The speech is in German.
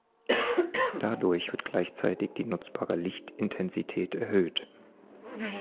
Dadurch wird gleichzeitig die nutzbare Lichtintensität erhöht.